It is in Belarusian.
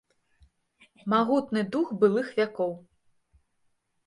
Магутны дух былых вякоў.